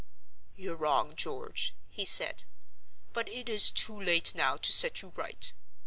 "You're wrong, George," he said; "but it is too late now to set you right.